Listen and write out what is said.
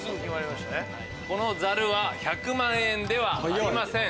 このざるは１００万円ではありません。